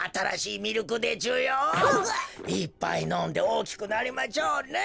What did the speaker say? いっぱいのんでおおきくなりまちょうね。